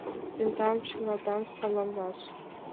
Тендам чыладам саламлаш.